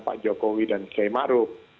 pak jokowi dan che maruk